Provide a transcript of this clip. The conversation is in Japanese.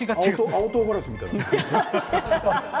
青とうがらしみたいな。